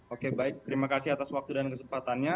oke baik terima kasih atas waktu dan kesempatannya